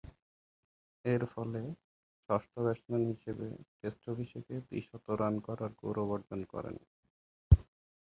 এরফলে, ষষ্ঠ ব্যাটসম্যান হিসেবে টেস্ট অভিষেকে দ্বি-শতরান করার গৌরব অর্জন করেন।